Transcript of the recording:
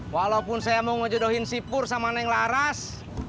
walaupun saya mau ngejodohin si pur sama neng laras